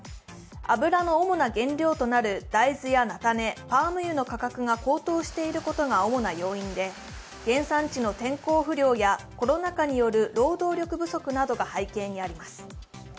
油の主な原料となる大豆やなたね、パーム油の価格が高騰していることが主な要因で原産地の天候不良やコロナ禍による労働力不足などが背景にあります。